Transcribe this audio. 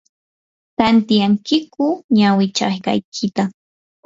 ¿tantyankiyku ñawinchashqaykita?